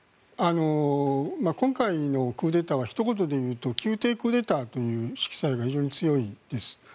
今回のクーデターはひと言で言うと宮廷クーデターという色彩が非常に強いです。